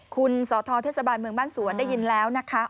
คุณสทเทศบาลเมืองบ้านสวนได้ยินแล้วนะคะ